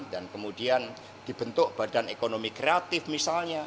dan kemudian dibentuk badan ekonomi kreatif misalnya